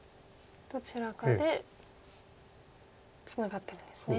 どちらかでツナがってるんですね